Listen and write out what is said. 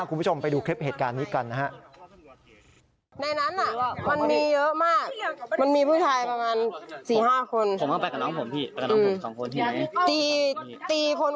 คุณผู้ชมไปดูคลิปเหตุการณ์นี้กันนะฮะ